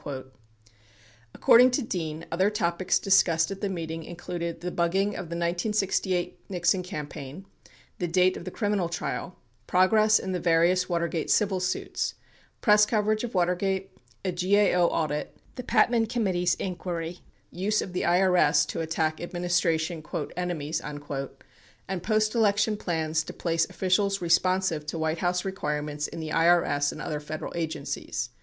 35 According to Dean, other topics discussed at the meeting included the bugging of the 1968 Nixon campaign, the date of the criminal trial, progress in the various Watergate civil suits, press coverage of Water gate, a GAO audit, the Patman Committee's inquiry, use of the IRS to attack administration "enemies," and post election plans to place of ficials responsive to White House requirements in the IRS and other F ederal agencies.